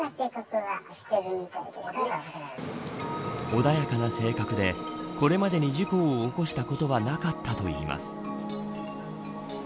穏やかな性格でこれまでに事故を起こしたことはなかったといいます。